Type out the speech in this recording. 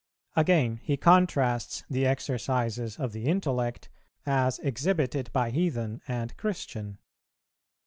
Again he contrasts the exercises of the intellect as exhibited by heathen and Christian.